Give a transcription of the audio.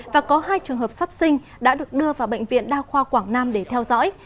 và có hai trường hợp sắp sinh đã được đưa vào bệnh viện đa khoa quảng nam để theo dõi